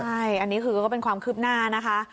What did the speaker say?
ใช่อันนี้คือก็เป็นความคืบหน้านะคะ